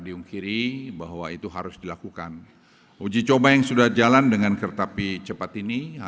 diungkiri bahwa itu harus dilakukan uji coba yang sudah jalan dengan kereta api cepat ini